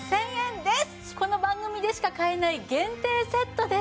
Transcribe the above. この番組でしか買えない限定セットです。